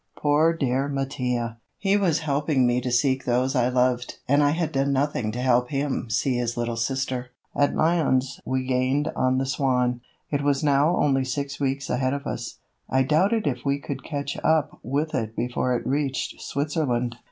Poor dear Mattia! He was helping me to seek those I loved and I had done nothing to help him see his little sister. At Lyons we gained on the Swan. It was now only six weeks ahead of us. I doubted if we could catch up with it before it reached Switzerland.